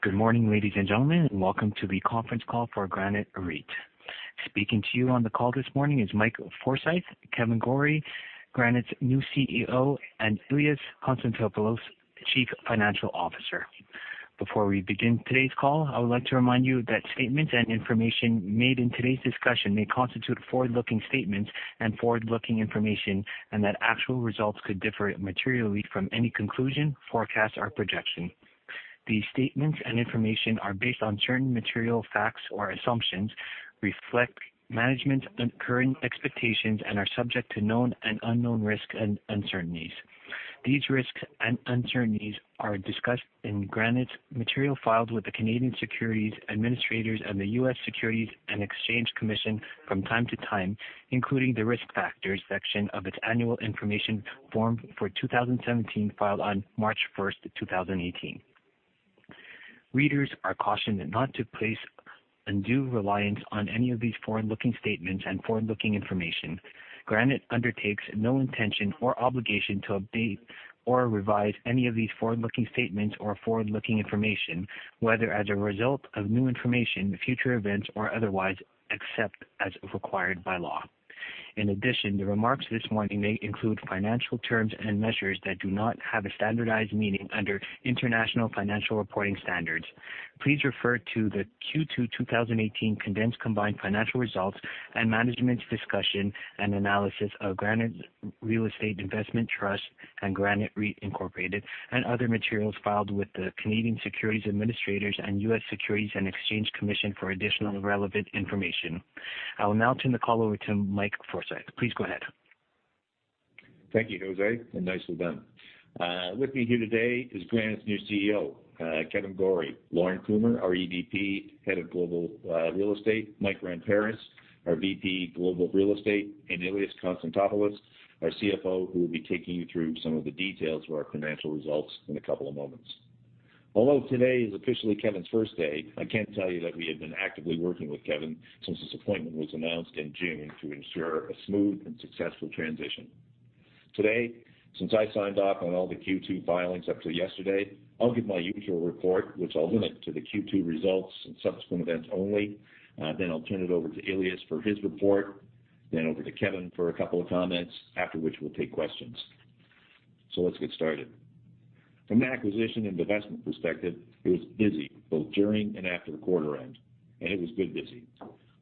Good morning, ladies and gentlemen, and welcome to the conference call for Granite REIT. Speaking to you on the call this morning is Mike Forsayeth, Kevan Gorrie, Granite's new CEO, and Ilias Konstantopoulos, Chief Financial Officer. Before we begin today's call, I would like to remind you that statements and information made in today's discussion may constitute forward-looking statements and forward-looking information, and that actual results could differ materially from any conclusion, forecast, or projection. These statements and information are based on certain material facts or assumptions, reflect management's current expectations, and are subject to known and unknown risks and uncertainties. These risks and uncertainties are discussed in Granite's material files with the Canadian Securities Administrators and the U.S. Securities and Exchange Commission from time to time, including the Risk Factors section of its annual information form for 2017, filed on March 1st, 2018. Readers are cautioned not to place undue reliance on any of these forward-looking statements and forward-looking information. Granite undertakes no intention or obligation to update or revise any of these forward-looking statements or forward-looking information, whether as a result of new information, future events, or otherwise, except as required by law. In addition, the remarks this morning may include financial terms and measures that do not have a standardized meaning under International Financial Reporting Standards. Please refer to the Q2 2018 condensed combined financial results and management's discussion and analysis of Granite Real Estate Investment Trust and Granite REIT Incorporated, and other materials filed with the Canadian Securities Administrators and U.S. Securities and Exchange Commission for additional relevant information. I will now turn the call over to Mike Forsayeth. Please go ahead. Thank you, Jose, and nicely done. With me here today is Granite's new CEO, Kevan Gorrie, Lorne Kumer, our EVP, Head of Global Real Estate, Mike Ramparas, our VP, Global Real Estate, and Ilias Konstantopoulos, our CFO, who will be taking you through some of the details of our financial results in a couple of moments. Although today is officially Kevan's first day, I can tell you that we have been actively working with Kevan since his appointment was announced in June to ensure a smooth and successful transition. Today, since I signed off on all the Q2 filings up till yesterday, I'll give my usual report, which I'll limit to the Q2 results and subsequent events only. Then I'll turn it over to Ilias for his report, then over to Kevan for a couple of comments, after which we'll take questions. Let's get started. From an acquisition and divestment perspective, it was busy both during and after the quarter end, and it was good busy.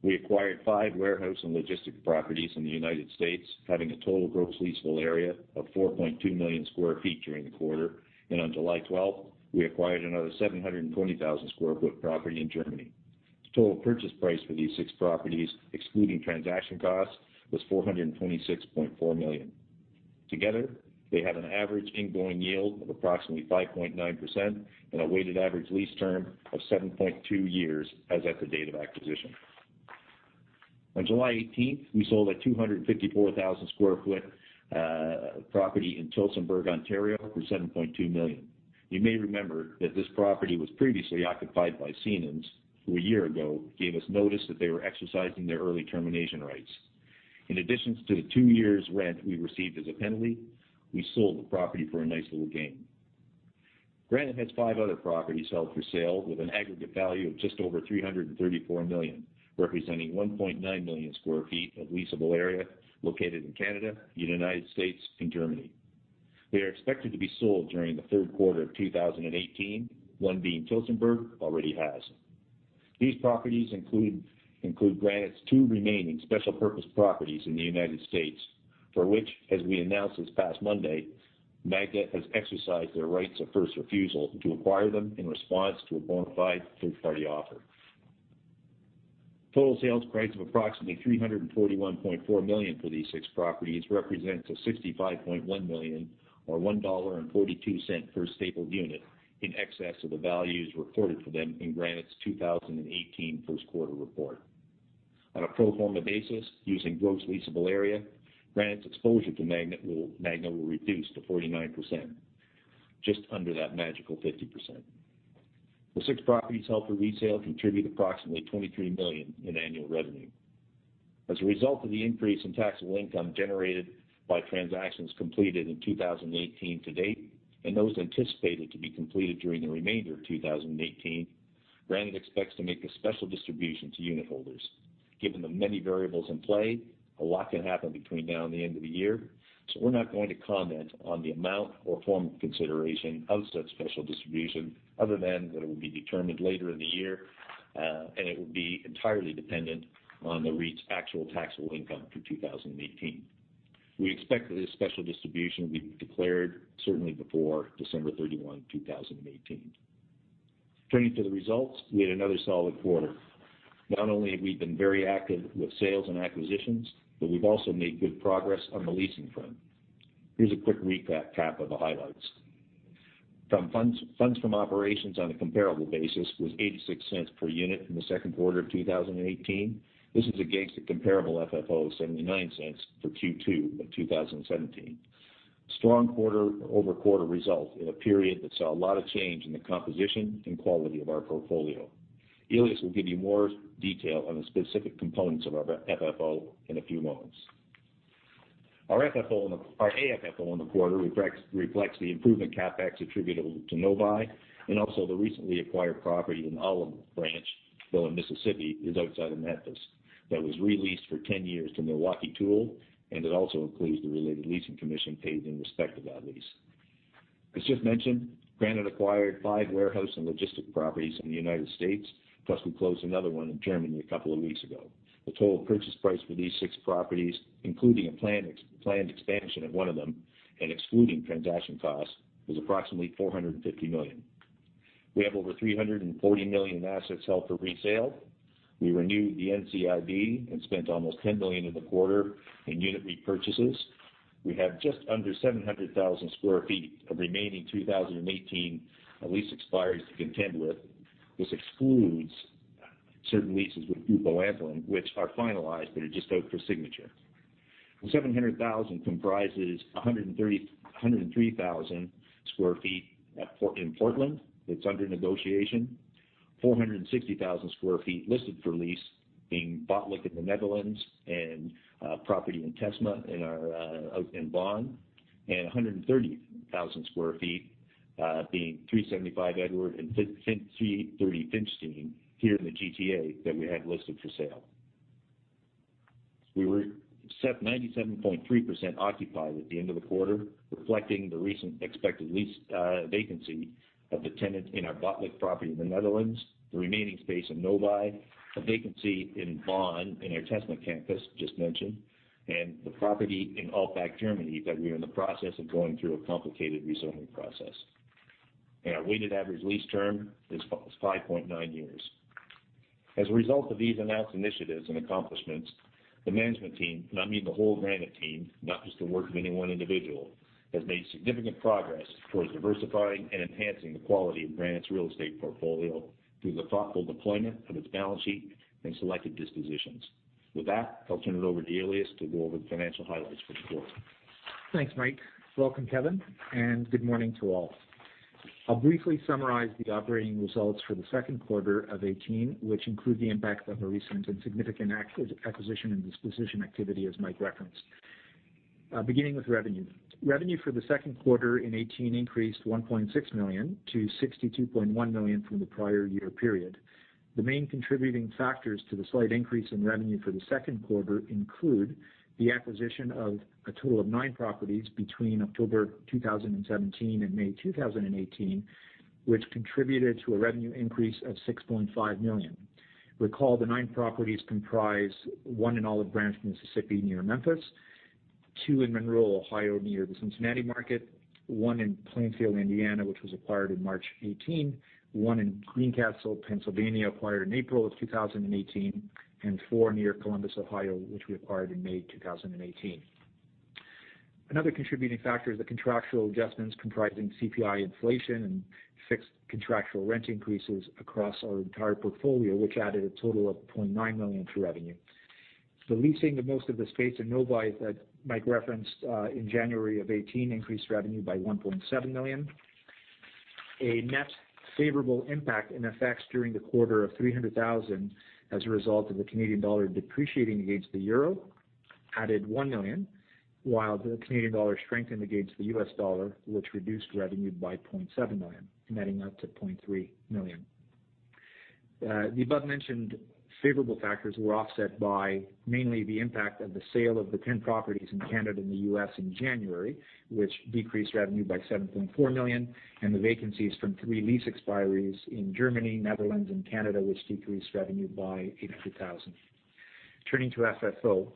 We acquired five warehouse and logistic properties in the United States, having a total gross leasable area of 4.2 million sq ft during the quarter. On July 12th, we acquired another 720,000 sq ft property in Germany. The total purchase price for these six properties, excluding transaction costs, was 426.4 million. Together, they have an average ingoing yield of approximately 5.9% and a weighted average lease term of 7.2 years as at the date of acquisition. On July 18th, we sold a 254,000 sq ft property in Tillsonburg, Ontario, for 7.2 million. You may remember that this property was previously occupied by Siemens, who a year ago gave us notice that they were exercising their early termination rights. In addition to the two years' rent we received as a penalty, we sold the property for a nice little gain. Granite has five other properties held for sale with an aggregate value of just over 334 million, representing 1.9 million sq ft of leasable area located in Canada, the U.S., and Germany. They are expected to be sold during the third quarter of 2018, one being Tillsonburg already has. These properties include Granite's two remaining special purpose properties in the U.S., for which, as we announced this past Monday, Magna has exercised their rights of first refusal to acquire them in response to a bona fide third-party offer. Total sales price of approximately 341.4 million for these six properties represents a 65.1 million or 1.42 dollar per stapled unit in excess of the values reported for them in Granite's 2018 first quarter report. On a pro forma basis using gross leasable area, Granite's exposure to Magna will reduce to 49%, just under that magical 50%. The six properties held for resale contribute approximately 23 million in annual revenue. As a result of the increase in taxable income generated by transactions completed in 2018 to date, and those anticipated to be completed during the remainder of 2018, Granite expects to make a special distribution to unit holders. Given the many variables in play, a lot can happen between now and the end of the year, we're not going to comment on the amount or form of consideration of such special distribution other than that it will be determined later in the year, and it will be entirely dependent on the REIT's actual taxable income for 2018. We expect that a special distribution will be declared certainly before December 31, 2018. Turning to the results, we had another solid quarter. Not only have we been very active with sales and acquisitions, but we've also made good progress on the leasing front. Here's a quick recap of the highlights. Funds from operations on a comparable basis was 0.86 per unit in the second quarter of 2018. This is against a comparable FFO of 0.79 for Q2 of 2017. Strong quarter-over-quarter results in a period that saw a lot of change in the composition and quality of our portfolio. Ilias will give you more detail on the specific components of our FFO in a few moments. Our AFFO in the quarter reflects the improvement CapEx attributable to Novi and also the recently acquired property in Olive Branch, though in Mississippi, is outside of Memphis. That was re-leased for 10 years to Milwaukee Tool, and it also includes the related leasing commission paid in respect of that lease. As just mentioned, Granite acquired five warehouse and logistic properties in the U.S., plus we closed another one in Germany a couple of weeks ago. The total purchase price for these six properties, including a planned expansion of one of them and excluding transaction costs, was approximately 450 million. We have over 340 million in assets held for resale. We renewed the NCIB and spent almost 10 million in the quarter in unit repurchases. We have just under 700,000 sq ft of remaining 2018 lease expires to contend with. This excludes certain leases with Grupo Antolin, which are finalized, but are just out for signature. The 700,000 comprises 103,000 sq ft in Portland. That's under negotiation. 460,000 sq ft listed for lease, being Botlek in the Netherlands and a property in Tesma out in Bonn, and 130,000 sq ft, being 375 Edward and 330 Finchdene here in the GTA that we have listed for sale. We were 97.3% occupied at the end of the quarter, reflecting the recent expected lease vacancy of the tenant in our Botlek property in the Netherlands, the remaining space in Novi, a vacancy in Bonn in our Tesma campus, just mentioned, and the property in Altbach, Germany, that we are in the process of going through a complicated rezoning process. Our weighted average lease term is 5.9 years. As a result of these announced initiatives and accomplishments, the management team, and I mean the whole Granite team, not just the work of any one individual, has made significant progress towards diversifying and enhancing the quality of Granite's real estate portfolio through the thoughtful deployment of its balance sheet and selected dispositions. With that, I'll turn it over to Ilias to go over the financial highlights for the quarter. Thanks, Mike. Welcome, Kevan, and good morning to all. I'll briefly summarize the operating results for the second quarter of 2018, which include the impact of our recent and significant acquisition and disposition activity, as Mike referenced. Beginning with revenue. Revenue for the second quarter in 2018 increased 1.6 million to 62.1 million from the prior year period. The main contributing factors to the slight increase in revenue for the second quarter include the acquisition of a total of nine properties between October 2017 and May 2018, which contributed to a revenue increase of 6.5 million. Recall the nine properties comprise one in Olive Branch, Mississippi, near Memphis; two in Monroe, Ohio, near the Cincinnati market; one in Plainfield, Indiana, which was acquired in March 2018; one in Greencastle, Pennsylvania, acquired in April 2018; and four near Columbus, Ohio, which we acquired in May 2018. Another contributing factor is the contractual adjustments comprising CPI inflation and fixed contractual rent increases across our entire portfolio, which added a total of 0.9 million to revenue. The leasing of most of the space in Novi that Mike referenced in January 2018 increased revenue by 1.7 million. A net favorable impact in effects during the quarter of 300,000 as a result of the Canadian dollar depreciating against the EUR added CAD 1 million, while the Canadian dollar strengthened against the U.S. dollar, which reduced revenue by 0.7 million, netting out to 0.3 million. The above-mentioned favorable factors were offset by mainly the impact of the sale of the 10 properties in Canada and the U.S. in January, which decreased revenue by 7.4 million, and the vacancies from three lease expiries in Germany, Netherlands, and Canada, which decreased revenue by 82,000. Turning to FFO.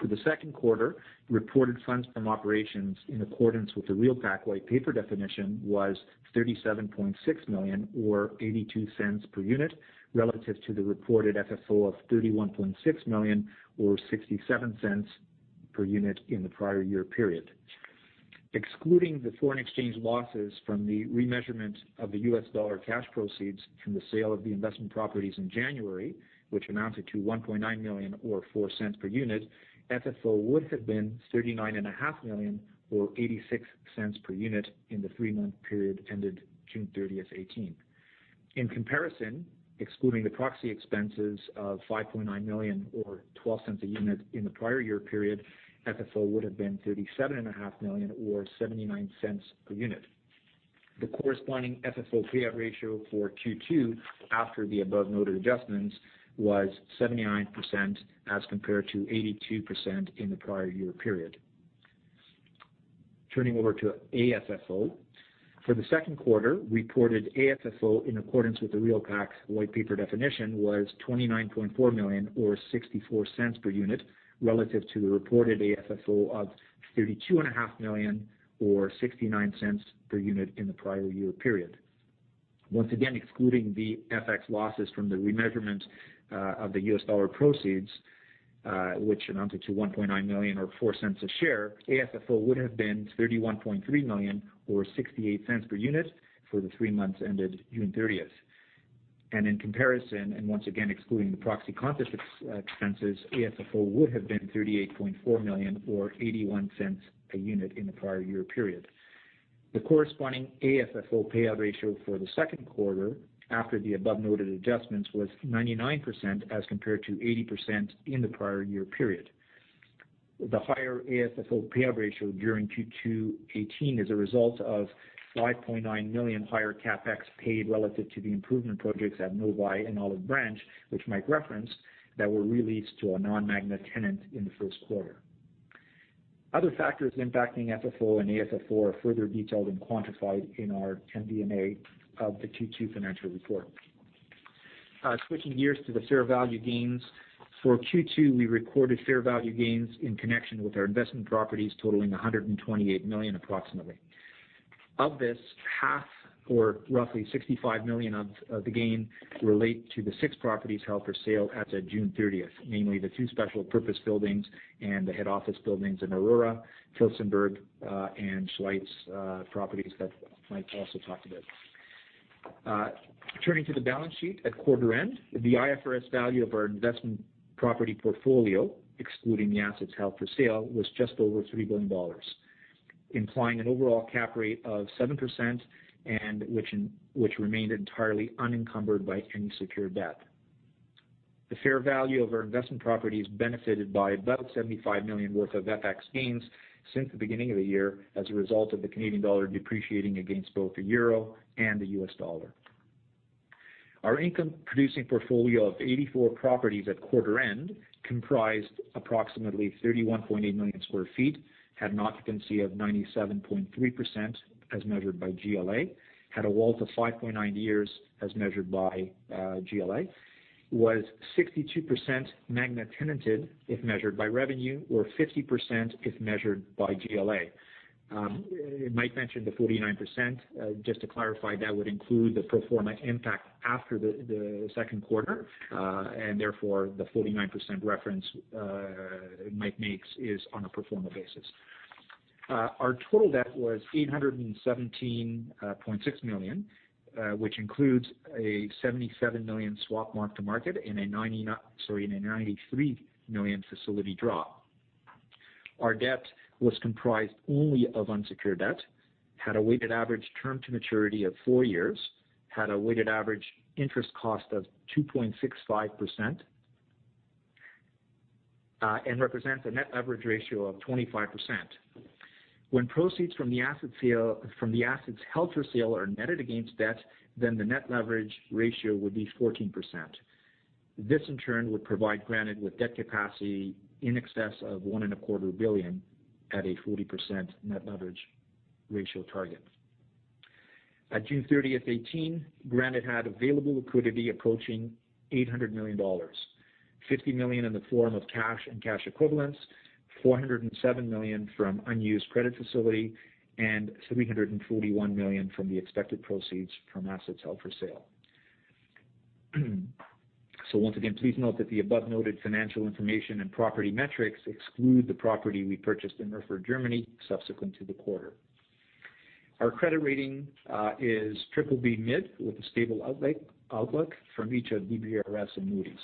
For the second quarter, reported funds from operations in accordance with the REALPAC white paper definition was 37.6 million or 0.82 per unit relative to the reported FFO of 31.6 million or 0.67 per unit in the prior year period. Excluding the foreign exchange losses from the remeasurement of the US dollar cash proceeds from the sale of the investment properties in January, which amounted to $1.9 million or $0.04 per unit, FFO would have been 39.5 million or 0.86 per unit in the three-month period ended June 30th 2018. In comparison, excluding the proxy expenses of 5.9 million or 0.12 a unit in the prior year period, FFO would have been 37.5 million or 0.79 per unit. The corresponding FFO payout ratio for Q2 after the above-noted adjustments was 79% as compared to 82% in the prior year period. Turning over to AFFO. For the second quarter, reported AFFO in accordance with the REALPAC's white paper definition was 29.4 million or 0.64 per unit relative to the reported AFFO of 32.5 million or 0.69 per unit in the prior year period. Excluding the FX losses from the remeasurement of the US dollar proceeds, which amounted to $1.9 million or $0.04 a share, AFFO would have been 31.3 million or 0.68 per unit for the three months ended June 30th. In comparison, and once again excluding the proxy contest expenses, AFFO would have been 38.4 million or 0.81 a unit in the prior year period. The corresponding AFFO payout ratio for the second quarter after the above-noted adjustments was 99%, as compared to 80% in the prior year period. The higher AFFO payout ratio during Q2 2018 is a result of 5.9 million higher CapEx paid relative to the improvement projects at Novi and Olive Branch, which Mike referenced, that were re-leased to a non-Magna tenant in the first quarter. Other factors impacting FFO and AFFO are further detailed and quantified in our MD&A of the Q2 financial report. Switching gears to the fair value gains. For Q2, we recorded fair value gains in connection with our investment properties totaling 128 million approximately. Of this, half or roughly 65 million of the gain relate to the six properties held for sale as at June 30th, namely the two special purpose buildings and the head office buildings in Aurora, Tillsonburg, and Schleiz properties that Mike also talked about. Turning to the balance sheet. At quarter end, the IFRS value of our investment property portfolio, excluding the assets held for sale, was just over 3 billion dollars, implying an overall cap rate of 7% and which remained entirely unencumbered by any secured debt. The fair value of our investment properties benefited by about 75 million worth of FX gains since the beginning of the year as a result of the Canadian dollar depreciating against both the euro and the US dollar. Our income-producing portfolio of 84 properties at quarter end comprised approximately 31.8 million sq ft, had an occupancy of 97.3% as measured by GLA, had a WALT of 5.9 years as measured by GLA, was 62% Magna-tenanted if measured by revenue, or 50% if measured by GLA. Mike mentioned the 49%. Just to clarify, that would include the pro forma impact after the second quarter. Therefore, the 49% reference Mike makes is on a pro forma basis. Our total debt was 817.6 million, which includes a 77 million swap mark-to-market and a 93 million facility draw. Our debt was comprised only of unsecured debt, had a weighted average term to maturity of four years, had a weighted average interest cost of 2.65%, and represents a net leverage ratio of 25%. When proceeds from the assets held for sale are netted against debt, the net leverage ratio would be 14%. This, in turn, would provide Granite with debt capacity in excess of 1.25 billion at a 40% net leverage ratio target. At June 30th, 2018, Granite had available liquidity approaching 800 million dollars, 50 million in the form of cash and cash equivalents, 407 million from unused credit facility, and 341 million from the expected proceeds from assets held for sale. Once again, please note that the above-noted financial information and property metrics exclude the property we purchased in Erfurt, Germany subsequent to the quarter. Our credit rating is BBB mid with a stable outlook from each of DBRS and Moody's.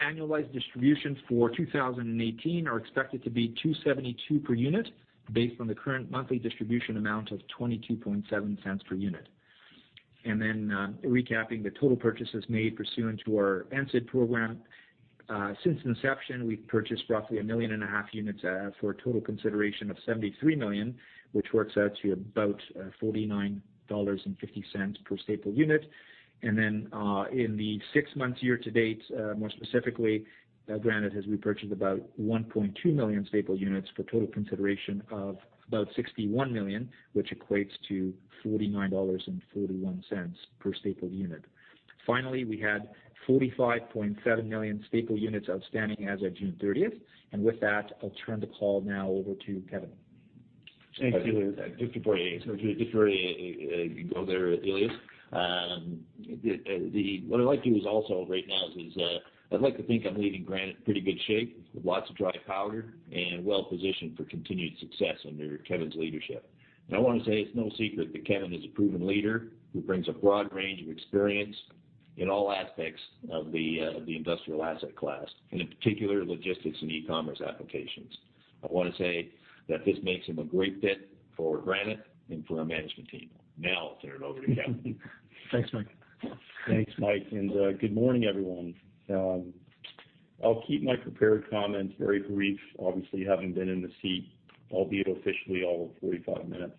Annualized distributions for 2018 are expected to be 2.72 per unit based on the current monthly distribution amount of 0.227 per unit. Recapping the total purchases made pursuant to our NCIB program. Since inception, we've purchased roughly a million and a half units for a total consideration of 73 million, which works out to about 49.50 dollars per staple unit. In the six months year to date, more specifically, Granite has repurchased about 1.2 million staple units for total consideration of about 61 million, which equates to 49.41 dollars per staple unit. Finally, we had 45.7 million staple units outstanding as at June 30th. With that, I'll turn the call now over to Kevan. Thanks, Ilias. Just before you go there, Ilias. What I'd like to do right now is, I'd like to think I'm leaving Granite in pretty good shape with lots of dry powder and well-positioned for continued success under Kevan's leadership. I want to say it's no secret that Kevan is a proven leader who brings a broad range of experience in all aspects of the industrial asset class, and in particular, logistics and e-commerce applications. I want to say that this makes him a great fit for Granite and for our management team. I'll turn it over to Kevan. Thanks, Mike. Thanks, Mike. Good morning, everyone. I'll keep my prepared comments very brief, obviously having been in the seat, albeit officially, all of 45 minutes.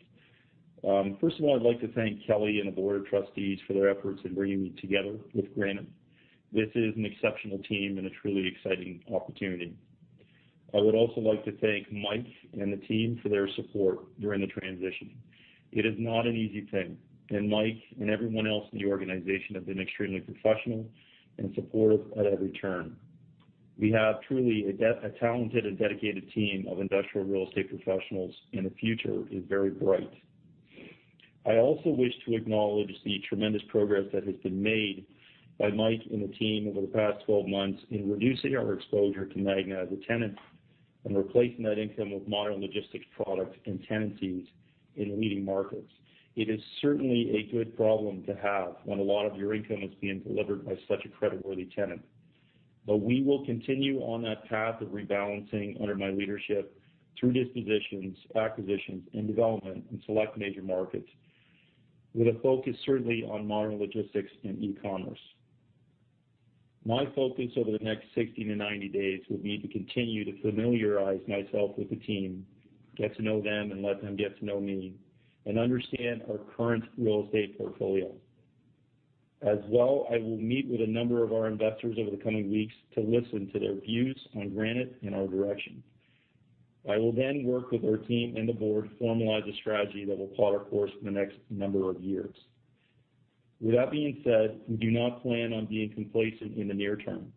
First of all, I'd like to thank Kelly and the Board of Trustees for their efforts in bringing me together with Granite. This is an exceptional team, a truly exciting opportunity. I would also like to thank Mike and the team for their support during the transition. It is not an easy thing. Mike and everyone else in the organization have been extremely professional and supportive at every turn. We have truly a talented and dedicated team of industrial real estate professionals, the future is very bright. I also wish to acknowledge the tremendous progress that has been made by Mike and the team over the past 12 months in reducing our exposure to Magna as a tenant and replacing that income with modern logistics product and tenancies in leading markets. It is certainly a good problem to have when a lot of your income is being delivered by such a creditworthy tenant. We will continue on that path of rebalancing under my leadership through dispositions, acquisitions, and development in select major markets, with a focus certainly on modern logistics and e-commerce. My focus over the next 60 to 90 days will be to continue to familiarize myself with the team, get to know them, and let them get to know me and understand our current real estate portfolio. As well, I will meet with a number of our investors over the coming weeks to listen to their views on Granite and our direction. I will then work with our team and the Board to formalize a strategy that will plot our course for the next number of years. With that being said, we do not plan on being complacent in the near term.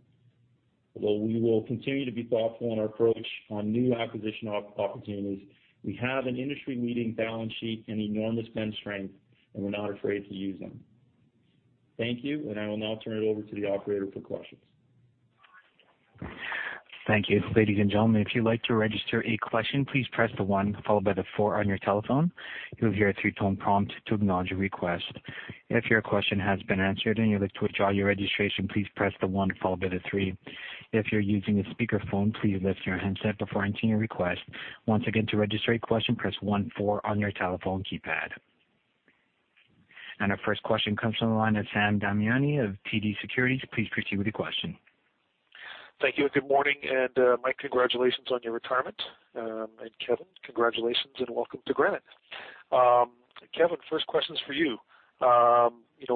Although we will continue to be thoughtful in our approach on new acquisition opportunities, we have an industry-leading balance sheet and enormous spend strength. We're not afraid to use them. Thank you. I will now turn it over to the operator for questions. Thank you. Ladies and gentlemen, if you'd like to register a question, please press the one followed by the four on your telephone. You'll hear a 3-tone prompt to acknowledge your request. If your question has been answered and you'd like to withdraw your registration, please press the one followed by the three. If you're using a speakerphone, please lift your handset before entering your request. Once again, to register a question, press one, four on your telephone keypad. Our first question comes from the line of Sam Damiani of TD Securities. Please proceed with your question. Thank you. Good morning. Mike, congratulations on your retirement. Kevan, congratulations and welcome to Granite. Kevan, first question's for you.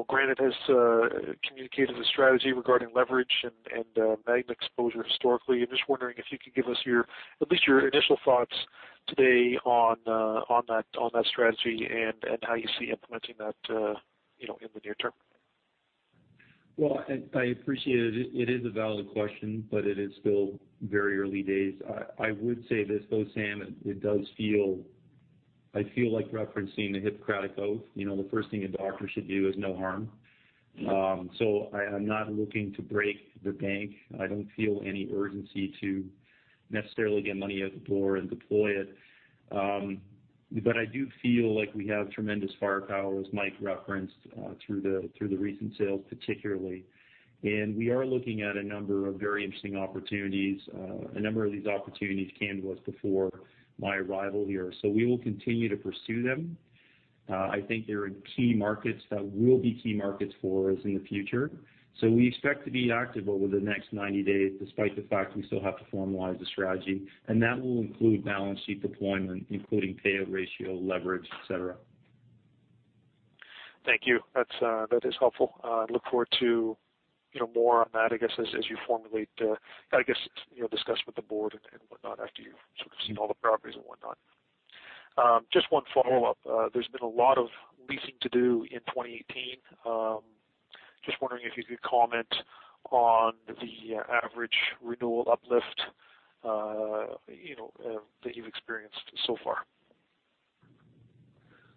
Granite has communicated a strategy regarding leverage and Magna exposure historically. I'm just wondering if you could give us at least your initial thoughts today on that strategy and how you see implementing that in the near term. Well, I appreciate it. It is a valid question, but it is still very early days. I would say this, though, Sam, I feel like referencing the Hippocratic oath. The first thing a doctor should do is no harm. I'm not looking to break the bank. I don't feel any urgency to necessarily get money out the door and deploy it. I do feel like we have tremendous firepower, as Mike referenced, through the recent sales particularly, and we are looking at a number of very interesting opportunities. A number of these opportunities came to us before my arrival here. We will continue to pursue them. I think they're in key markets that will be key markets for us in the future. We expect to be active over the next 90 days, despite the fact we still have to formalize the strategy, and that will include balance sheet deployment, including payout ratio, leverage, et cetera. Thank you. That is helpful. Look forward to more on that, I guess, as you formulate, I guess, discuss with the board and whatnot after you've sort of seen all the properties and whatnot. Just one follow-up. There's been a lot of leasing to do in 2018. Just wondering if you could comment on the average renewal uplift that you've experienced so far.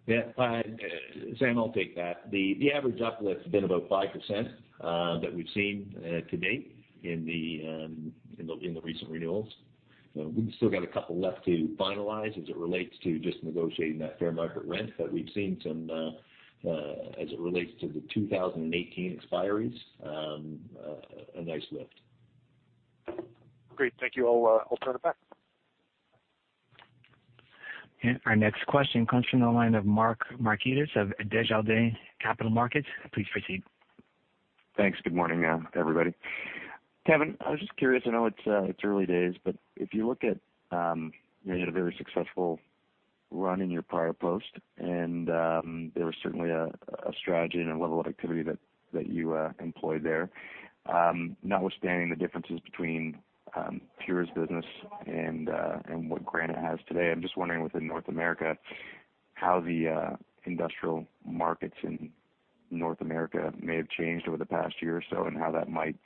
Yeah. Sam, I'll take that. The average uplift's been about 5% that we've seen to date in the recent renewals. We've still got a couple left to finalize as it relates to just negotiating that fair market rent. We've seen some, as it relates to the 2018 expiries, a nice lift. Great. Thank you. I'll turn it back. Our next question comes from the line of Michael Markidis of Desjardins Capital Markets. Please proceed. Thanks. Good morning, everybody. Kevan, I was just curious. I know it's early days, but if you look at, you had a very successful run in your prior post, and there was certainly a strategy and a level of activity that you employed there. Notwithstanding the differences between PURE's business and what Granite has today, I'm just wondering within North America, how the industrial markets in North America may have changed over the past year or so, and how that might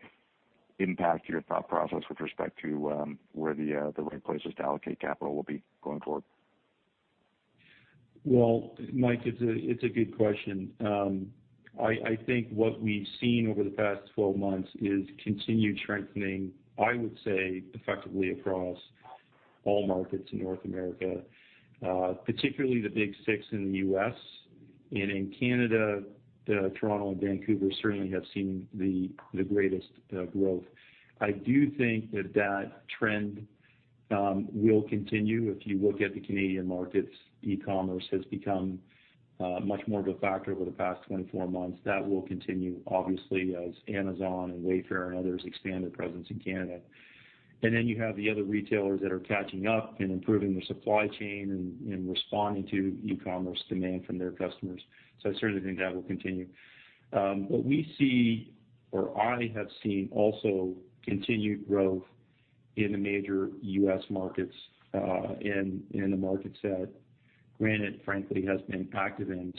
impact your thought process with respect to where the right places to allocate capital will be going forward. Well, Mark, it's a good question. I think what we've seen over the past 12 months is continued strengthening, I would say effectively across all markets in North America, particularly the big six in the U.S. In Canada, Toronto and Vancouver certainly have seen the greatest growth. I do think that that trend will continue. If you look at the Canadian markets, e-commerce has become much more of a factor over the past 24 months. That will continue, obviously, as Amazon and Wayfair and others expand their presence in Canada. Then you have the other retailers that are catching up and improving their supply chain and responding to e-commerce demand from their customers. I certainly think that will continue. What we see, or I have seen also continued growth in the major U.S. markets, in the markets that Granite frankly has been active in.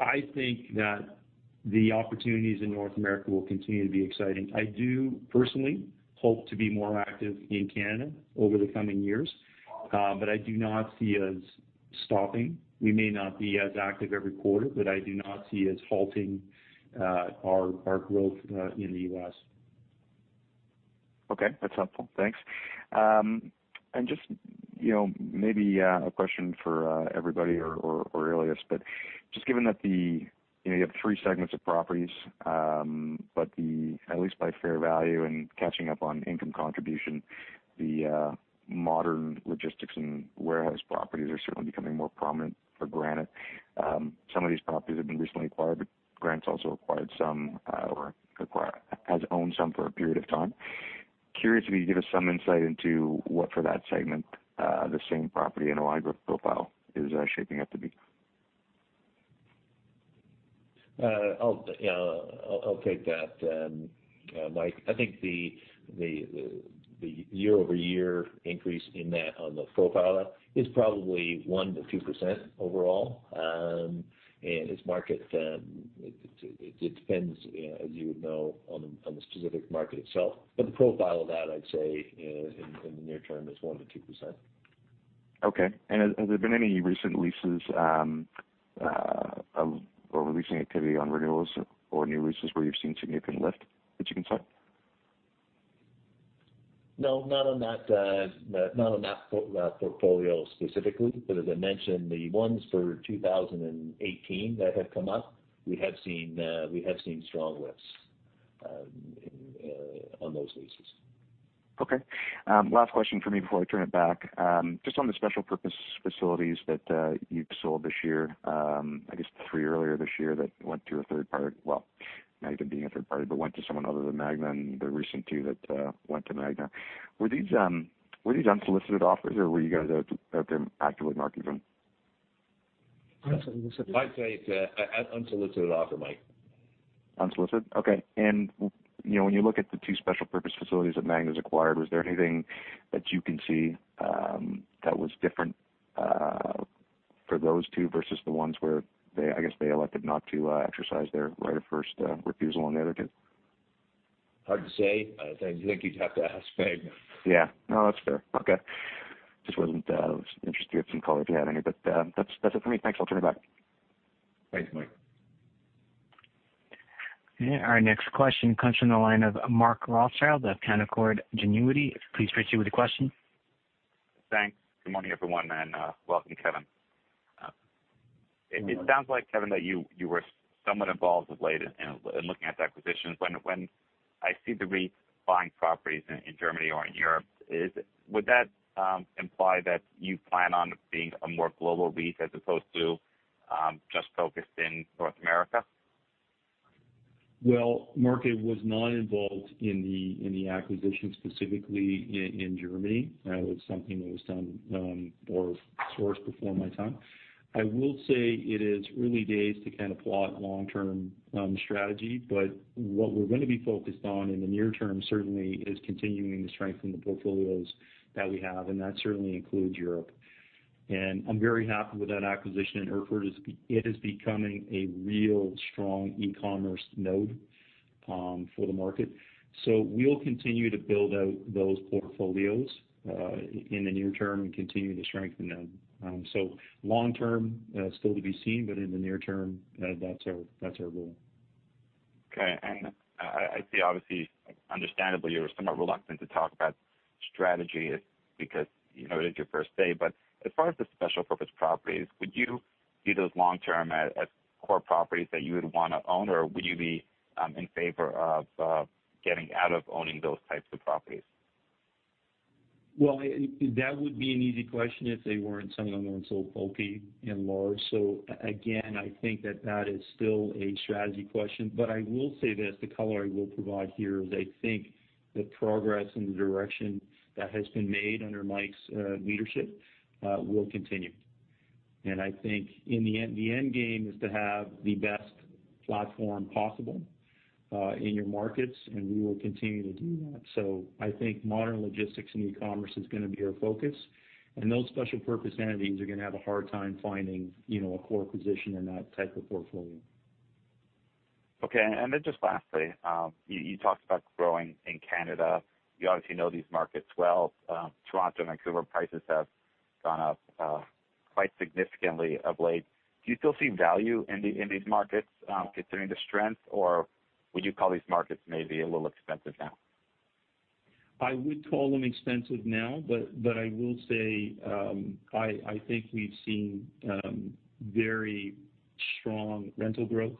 I think that the opportunities in North America will continue to be exciting. I do personally hope to be more active in Canada over the coming years. I do not see us stopping. We may not be as active every quarter, but I do not see us halting our growth in the U.S. Okay, that's helpful. Thanks. Just maybe a question for everybody or Ilias, but just given that you have three segments of properties, but the, at least by fair value and catching up on income contribution, the modern logistics and warehouse properties are certainly becoming more prominent for Granite. Some of these properties have been recently acquired, but Granite's also acquired some or has owned some for a period of time. Curious if you could give us some insight into what, for that segment, the same property NOI growth profile is shaping up to be? I'll take that, Michael. I think the year-over-year increase in that on the profile is probably 1%-2% overall. It depends, as you would know, on the specific market itself. The profile of that, I'd say, in the near term is 1%-2%. Okay. Has there been any recent leases or leasing activity on renewals or new leases where you've seen significant lift that you can cite? No, not on that portfolio specifically, as I mentioned, the ones for 2018 that have come up, we have seen strong lifts on those leases. Okay. Last question from me before I turn it back. Just on the special purpose facilities that you've sold this year, I guess the three earlier this year that went to a third party, well, Magna being a third party, went to someone other than Magna and the recent two that went to Magna. Were these unsolicited offers, or were you guys out there actively marketing them? Unsolicited. I'd say it's a unsolicited offer, Mike. Unsolicited? Okay. When you look at the two special purpose facilities that Magna's acquired, was there anything that you can see that was different for those two versus the ones where they, I guess, elected not to exercise their right of first refusal on the other two? Hard to say. I think you'd have to ask Magna. Yeah. No, that's fair. Okay. Just was interested to get some color if you had any, that's it for me. Thanks, I'll turn it back. Thanks, Mike. Our next question comes from the line of Mark Rothschild of Canaccord Genuity. Please proceed with your question. Thanks. Good morning, everyone, and welcome, Kevan. It sounds like, Kevan, that you were somewhat involved of late in looking at the acquisitions. When I see the REIT buying properties in Germany or in Europe, would that imply that you plan on being a more global REIT as opposed to just focused in North America? Well, Mark, I was not involved in the acquisition specifically in Germany. That was something that was done or sourced before my time. I will say it is early days to kind of plot long-term strategy, but what we're going to be focused on in the near term certainly is continuing to strengthen the portfolios that we have, and that certainly includes Europe. I'm very happy with that acquisition in Erfurt. It is becoming a real strong e-commerce node for the market. We'll continue to build out those portfolios in the near term and continue to strengthen them. Long term, still to be seen, but in the near term, that's our goal. Okay. I see obviously, understandably, you're somewhat reluctant to talk about strategy because it is your first day. As far as the special purpose properties, would you view those long term as core properties that you would want to own, or would you be in favor of getting out of owning those types of properties? That would be an easy question if they weren't some of them weren't so bulky and large. Again, I think that that is still a strategy question. I will say this, the color I will provide here is I think the progress and the direction that has been made under Mike's leadership will continue. I think the end game is to have the best platform possible in your markets, and we will continue to do that. I think modern logistics and e-commerce is going to be our focus. Those special purpose entities are going to have a hard time finding a core position in that type of portfolio. Just lastly, you talked about growing in Canada. You obviously know these markets well. Toronto and Vancouver prices have gone up quite significantly of late. Do you still see value in these markets considering the strength, or would you call these markets maybe a little expensive now? I would call them expensive now, I will say, I think we've seen very strong rental growth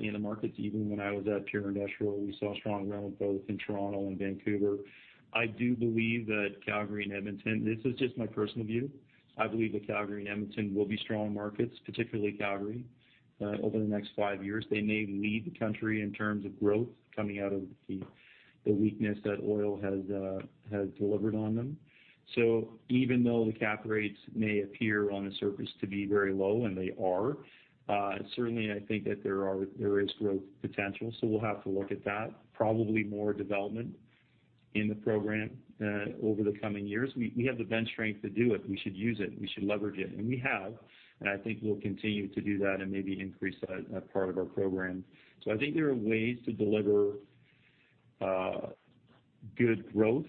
in the markets. Even when I was at Pure Industrial, we saw strong rental growth in Toronto and Vancouver. I do believe that Calgary and Edmonton, this is just my personal view, I believe that Calgary and Edmonton will be strong markets, particularly Calgary, over the next five years. They may lead the country in terms of growth coming out of the weakness that oil has delivered on them. Even though the cap rates may appear on the surface to be very low, and they are, certainly I think that there is growth potential. We'll have to look at that. Probably more development in the program over the coming years. We have the bench strength to do it. We should use it, we should leverage it. We have, and I think we'll continue to do that and maybe increase that part of our program. I think there are ways to deliver good growth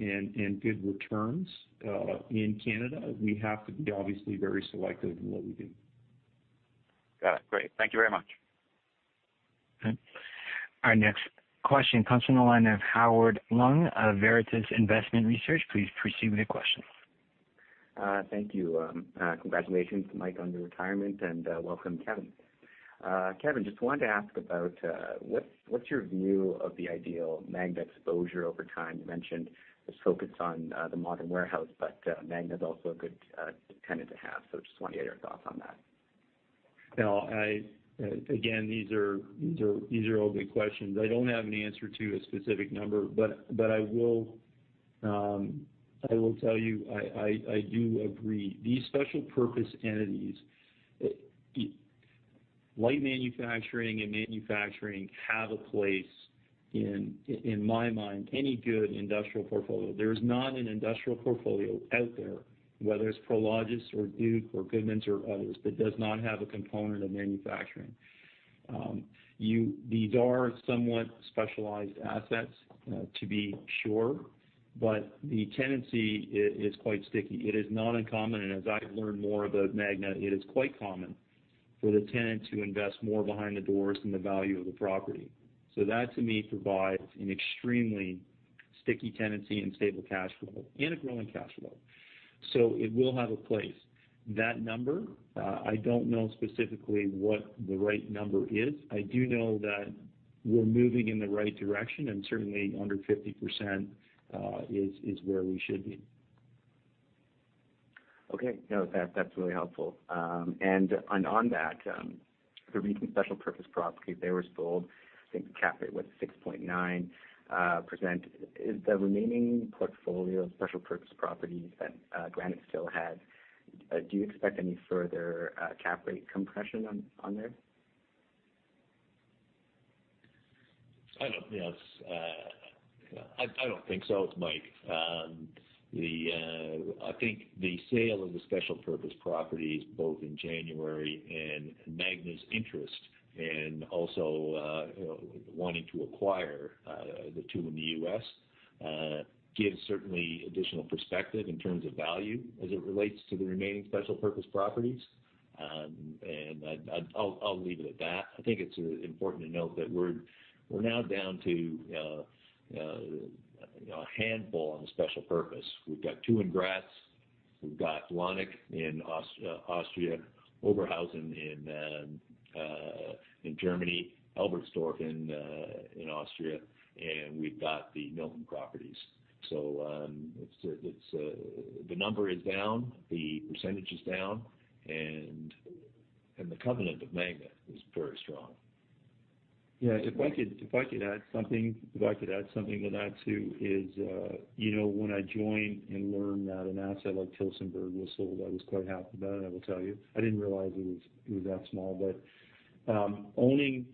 and good returns in Canada. We have to be obviously very selective in what we do. Got it. Great. Thank you very much. Our next question comes from the line of Howard Leung of Veritas Investment Research. Please proceed with your question. Thank you. Congratulations, Mike, on your retirement, and welcome, Kevan. Kevan, just wanted to ask about, what's your view of the ideal Magna exposure over time? You mentioned this focus on the modern warehouse, but Magna's also a good tenant to have. Just wanted to hear your thoughts on that. Again, these are all good questions. I don't have an answer to a specific number, but I will tell you, I do agree. These special purpose entities, light manufacturing and manufacturing have a place in my mind, any good industrial portfolio. There's not an industrial portfolio out there, whether it's Prologis or Duke or Goodman's or others, that does not have a component of manufacturing. These are somewhat specialized assets to be sure, but the tenancy is quite sticky. It is not uncommon, and as I've learned more about Magna, it is quite common for the tenant to invest more behind the doors than the value of the property. That, to me, provides an extremely sticky tenancy and stable cash flow, and a growing cash flow. It will have a place. That number, I don't know specifically what the right number is. I do know that we're moving in the right direction, certainly under 50% is where we should be. Okay. No, that's really helpful. On that, the recent special purpose property, they were sold, I think the cap rate was 6.9%. The remaining portfolio of special purpose properties that Granite still had, do you expect any further cap rate compression on there? I don't think so. It's Mike. I think the sale of the special purpose properties both in January and Magna's interest in also wanting to acquire the two in the U.S., gives certainly additional perspective in terms of value as it relates to the remaining special purpose properties. I'll leave it at that. I think it's important to note that we're now down to a handful on the special purpose. We've got two in Graz, we've got Lannach in Austria, Oberhausen in Germany, Albersdorf in Austria, and we've got the Milton properties. The number is down, the percentage is down, the covenant of Magna is very strong. Yeah. If I could add something to that, too, is when I joined and learned that an asset like Tillsonburg was sold, I was quite happy about it, I will tell you. I didn't realize it was that small, owning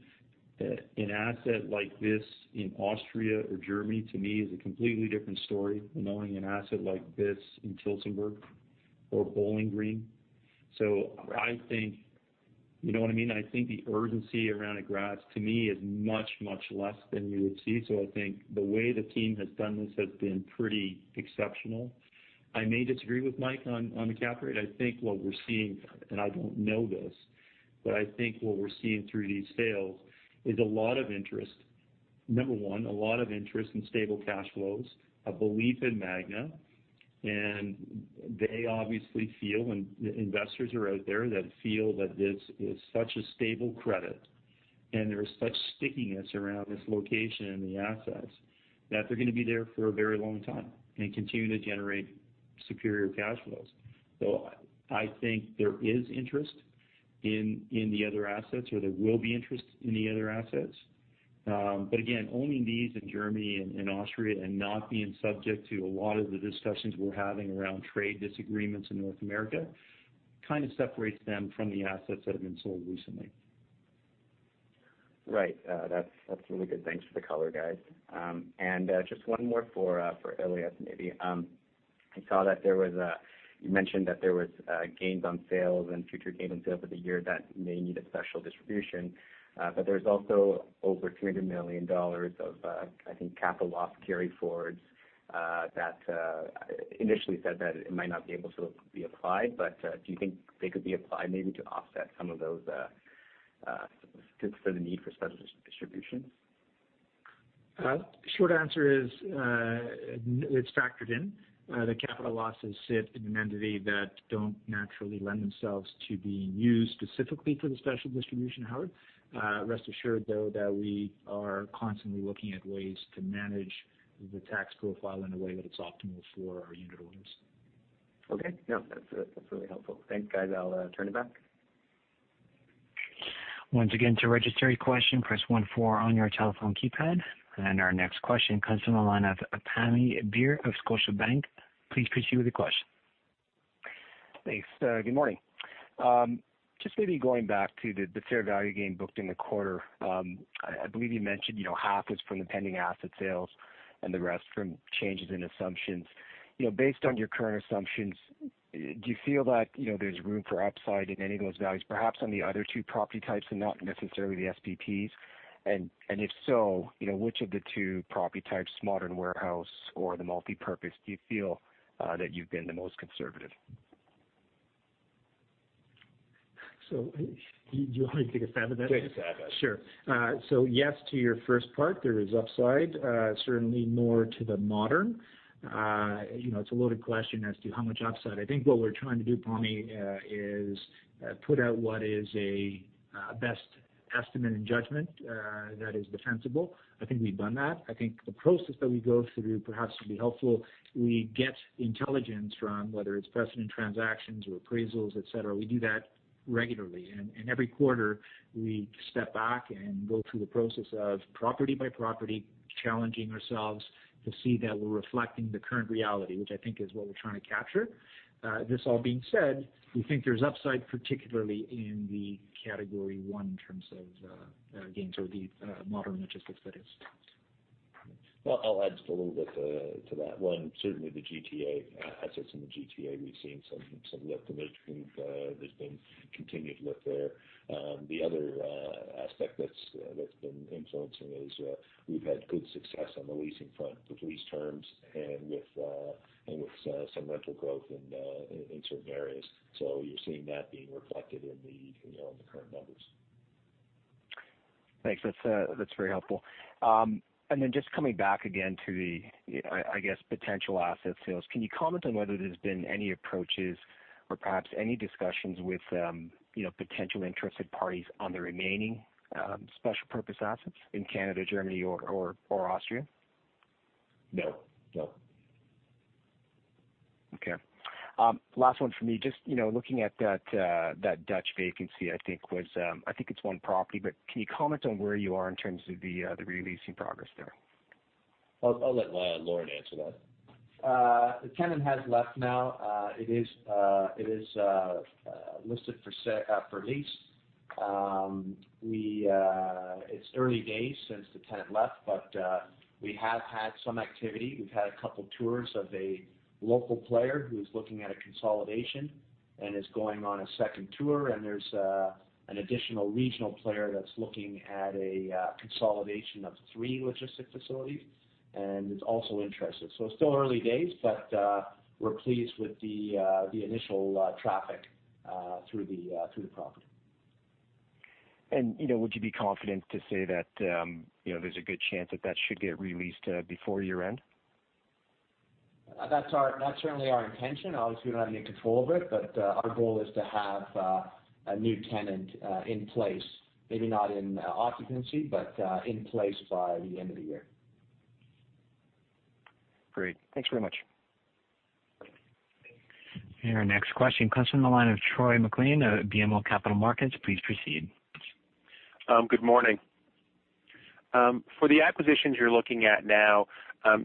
an asset like this in Austria or Germany, to me, is a completely different story than owning an asset like this in Tillsonburg or Bowling Green. I think, you know what I mean? I think the urgency around Graz, to me, is much, much less than you would see. I think the way the team has done this has been pretty exceptional. I may disagree with Mike on the cap rate. I think what we're seeing, and I don't know this, but I think what we're seeing through these sales is a lot of interest. Number one, a lot of interest in stable cash flows, a belief in Magna, and they obviously feel, and the investors are out there that feel that this is such a stable credit and there is such stickiness around this location and the assets, that they're going to be there for a very long time and continue to generate superior cash flows. I think there is interest in the other assets, or there will be interest in the other assets. Again, owning these in Germany and Austria and not being subject to a lot of the discussions we're having around trade disagreements in North America, kind of separates them from the assets that have been sold recently. Right. That's really good. Thanks for the color, guys. Just one more for Ilias, maybe. I saw that you mentioned that there was gains on sales and future gains over the year that may need a special distribution. There's also over 200 million dollars of, I think, capital loss carryforwards that initially said that it might not be able to be applied. Do you think they could be applied maybe to offset some of those, for the need for special distributions? Short answer is, it's factored in. The capital losses sit in an entity that don't naturally lend themselves to being used specifically for the special distribution, Howard. Rest assured, though, that we are constantly looking at ways to manage the tax profile in a way that it's optimal for our unit owners. Okay. No, that's really helpful. Thanks, guys. I'll turn it back. Once again, to register your question, press 14 on your telephone keypad. Our next question comes from the line of Pammi Bir of Scotiabank. Please proceed with your question. Thanks. Good morning. Just maybe going back to the fair value gain booked in the quarter. I believe you mentioned half is from the pending asset sales and the rest from changes in assumptions. Based on your current assumptions, do you feel that there's room for upside in any of those values, perhaps on the other 2 property types and not necessarily the SPPs? If so, which of the 2 property types, modern warehouse or the multipurpose, do you feel that you've been the most conservative? Do you want me to take a stab at that? Take a stab at it. Yes to your first part, there is upside, certainly more to the modern. It's a loaded question as to how much upside. I think what we're trying to do, Pammi, is put out what is a best estimate and judgment that is defensible. I think we've done that. I think the process that we go through perhaps will be helpful. We get intelligence from whether it's precedent transactions or appraisals, et cetera. We do that regularly. Every quarter, we step back and go through the process of property by property, challenging ourselves to see that we're reflecting the current reality, which I think is what we're trying to capture. This all being said, we think there's upside, particularly in the category 1 in terms of, again, the modern logistics, that is. Well, I'll add just a little bit to that. One, certainly the GTA, assets in the GTA, we've seen some lift there. There's been continued lift there. The other aspect that's been influencing is we've had good success on the leasing front, with lease terms and with some rental growth in certain areas. You're seeing that being reflected in the current numbers. Thanks. That's very helpful. Just coming back again to the, I guess, potential asset sales. Can you comment on whether there's been any approaches or perhaps any discussions with potential interested parties on the remaining special purpose assets in Canada, Germany or Austria? No. Okay. Last one from me. Just looking at that Dutch vacancy, I think it's one property, but can you comment on where you are in terms of the re-leasing progress there? I'll let Lorne answer that. The tenant has left now. It is listed for lease. It's early days since the tenant left, but we have had some activity. We've had a couple tours of a local player who's looking at a consolidation and is going on a second tour, and there's an additional regional player that's looking at a consolidation of three logistic facilities and is also interested. It's still early days, but we're pleased with the initial traffic through the property. Would you be confident to say that there's a good chance that that should get re-leased before year-end? That's certainly our intention. Obviously, we don't have any control over it, but our goal is to have a new tenant in place, maybe not in occupancy, but in place by the end of the year. Great. Thanks very much. Our next question comes from the line of Troy MacLean of BMO Capital Markets. Please proceed. Good morning. For the acquisitions you're looking at now,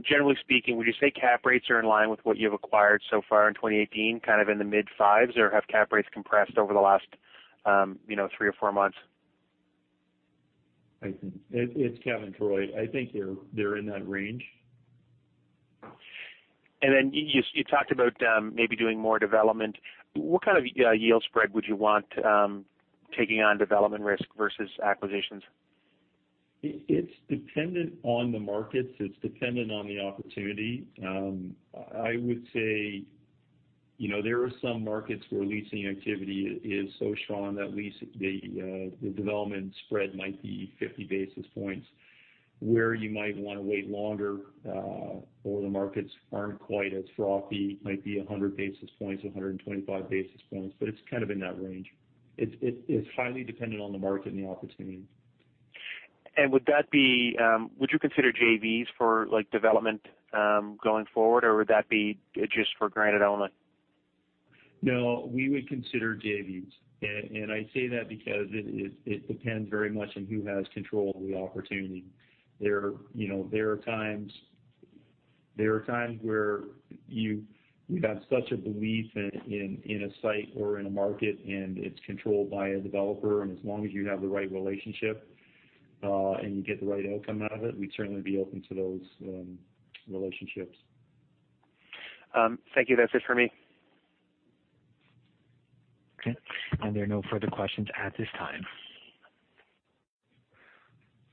generally speaking, would you say cap rates are in line with what you've acquired so far in 2018, kind of in the mid 5s, or have cap rates compressed over the last three or four months? It's Kevan, Troy. I think they're in that range. You talked about maybe doing more development. What kind of yield spread would you want taking on development risk versus acquisitions? It's dependent on the markets. It's dependent on the opportunity. I would say there are some markets where leasing activity is so strong that the development spread might be 50 basis points. Where you might want to wait longer, or the markets aren't quite as frothy, might be 100 basis points, 125 basis points. It's kind of in that range. It's highly dependent on the market and the opportunity. Would you consider JVs for development going forward, or would that be just for Granite only? No, we would consider JVs. I say that because it depends very much on who has control of the opportunity. There are times where you've had such a belief in a site or in a market, and it's controlled by a developer. As long as you have the right relationship, and you get the right outcome out of it, we'd certainly be open to those relationships. Thank you. That's it for me. Okay. There are no further questions at this time.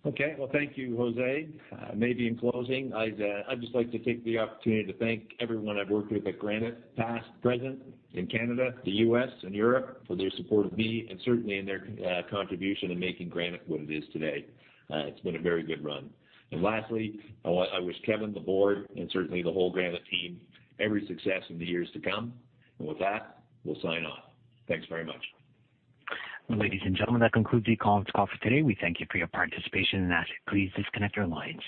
Okay. Well, thank you, Jose. Maybe in closing, I'd just like to take the opportunity to thank everyone I've worked with at Granite, past, present, in Canada, the U.S., and Europe, for their support of me and certainly in their contribution in making Granite what it is today. It's been a very good run. Lastly, I wish Kevan, the board, and certainly the whole Granite team, every success in the years to come. With that, we'll sign off. Thanks very much. Ladies and gentlemen, that concludes the conference call for today. We thank you for your participation and ask that you please disconnect your lines.